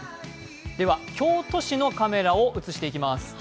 京都市のカメラを映していきます。